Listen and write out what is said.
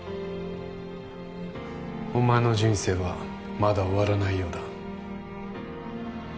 お前の人生はまだ終わらないようだ